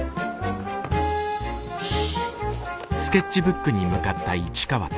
よし。